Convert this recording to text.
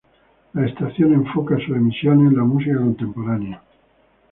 La estación enfoca sus emisiones en la música contemporánea.